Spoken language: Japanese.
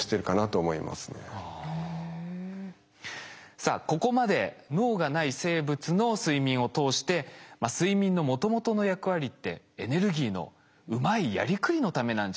さあここまで脳がない生物の睡眠を通して睡眠のもともとの役割ってエネルギーのうまいやりくりのためなんじゃないか。